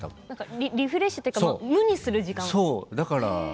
リフレッシュというか無にする時間。